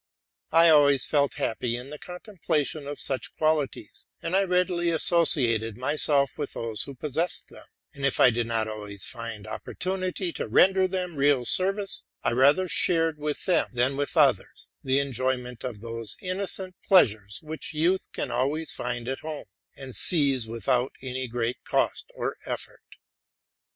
I always felt, happy in 130 TRUTH AND FICTION {he contemplation of such qualities, and I readily associated myself to those who possessed them ; and, if I did not always find opportunity to render them real service, I rather shared with them than with others the enjoyment of those innocent pleasures which youth can always find at hand, and seize without any great cost or effort.